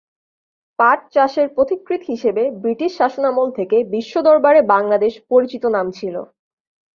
পাট চাষের পথিকৃৎ হিসেবে ব্রিটিশ শাসনামল থেকে বিশ্বদরবারে বাংলাদেশ পরিচিত নাম ছিল।